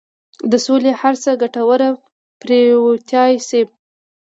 د سولې هره هڅه ګټوره پرېوتای شي.